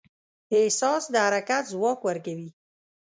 احساس د حرکت ځواک ورکوي.